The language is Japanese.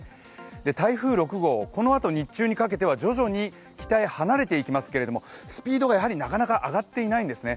台風６号、このあと日中にかけては徐々に北へ離れていきますけれども、スピードがやはりなかなか上がっていないんですね。